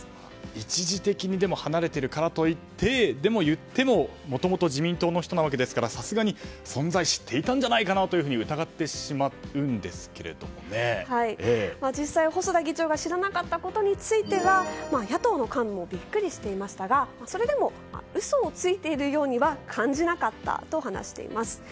一時的に離れているからといってでも言っても、もともと自民党の人なわけですからさすがに存在を知っていたんじゃないかなと実際、細田議長が知らなかったことについては野党の幹部もビックリしていましたがそれでも嘘をついているようには感じなかったと話しています。